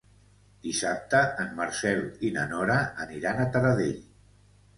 Dissabte en Marcel i na Nora aniran a Taradell.